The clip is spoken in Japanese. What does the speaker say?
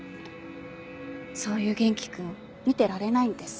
そういう元気君見てられないんです。